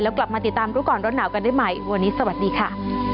กลับมาติดตามรู้ก่อนร้อนหนาวกันได้ใหม่วันนี้สวัสดีค่ะ